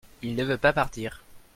il ne veut pas partir.